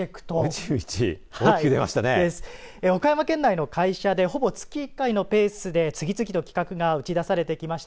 岡山県内の会社でほぼ月１回のペースで次々と企画が打ち出されてきました。